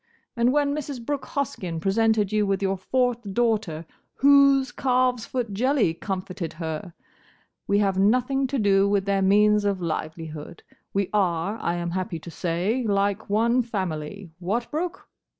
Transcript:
And when Mrs. Brooke Hoskyn presented you with your fourth daughter, whose calves foot jelly comforted her? We have nothing to do with their means of livelihood; we are, I am happy to say, like one family. What, Brooke?"